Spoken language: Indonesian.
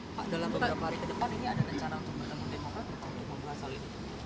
pak dalam beberapa hari ke depan ini ada rencana untuk menemukan atau untuk memulasal ini